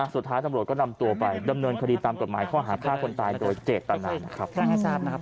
สุดท้ายสำรวจก็นำตัวไปดำเนินคดีตามกฎหมายข้อหาภาพคนตายโดยเจตนานนะครับ